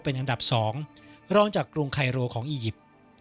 เป็นอันดับ๒รองจากกรุงไคโรของอียิปต์